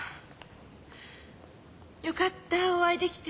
よかったお会いできて。